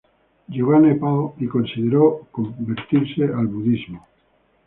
Llegó a Nepal y consideró convertirse al budismo.